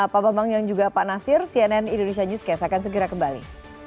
pak bambang yang juga pak nasir cnn indonesia newscast akan segera kembali